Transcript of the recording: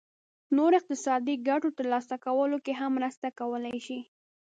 نورو اقتصادي ګټو ترلاسه کولو کې هم مرسته کولای شي.